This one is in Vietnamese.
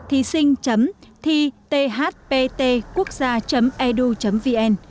thí sinh truy cập vào địa chỉ http thhptquốcgia edu vn